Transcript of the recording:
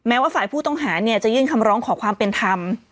ว่าฝ่ายผู้ต้องหาเนี่ยจะยื่นคำร้องขอความเป็นธรรม